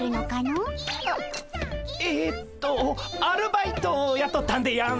あえっとアルバイトをやとったんでやんす。